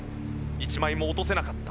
１枚も落とせなかった。